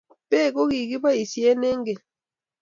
beek ko ki kiboisie eng keny